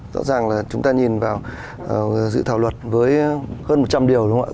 rõ ràng là chúng ta nhìn vào dự thảo luật với hơn một trăm linh điều đúng không ạ